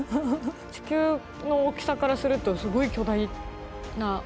地球の大きさからするとすごい巨大な。